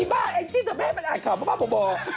อีบ้าแอร์จิตทะแพงมันอาจกร่ำบ้าเบา